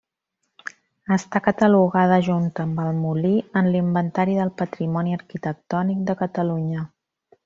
Està catalogada, junt amb el molí, en l'Inventari del Patrimoni Arquitectònic de Catalunya.